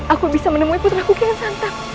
aku bisa menemui putramu kiasa